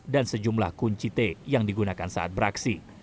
dan sejumlah kunci t yang digunakan saat beraksi